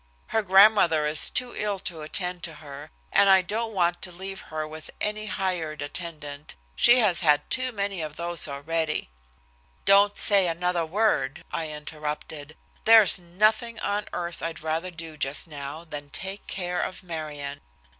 Her grandmother is too ill to attend to her, and I don't want to leave her with any hired attendant, she has had too many of those already." "Don't say another word," I interrupted. "There's nothing on earth I'd rather do just now than take care of Marion."